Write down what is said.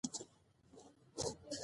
که ماډل وي نو شکل نه هېریږي.